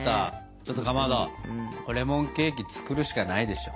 ちょっとかまどレモンケーキ作るしかないでしょう。